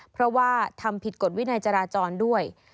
เพราะว่าทำผิดกฎวินัยจราจรด้วย